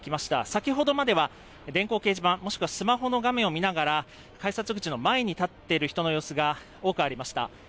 先ほどまでは電光掲示板、もしくはスマホの画面を見ながら改札口の前に立っている人の様子が多くありました。